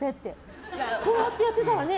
こうやってやってたらね。